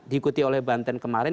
dikuti oleh banten kemarin